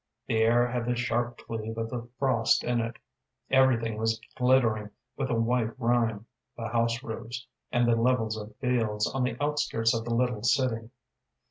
The air had the sharp cleave of the frost in it. Everything was glittering with a white rime the house roofs, and the levels of fields on the outskirts of the little city.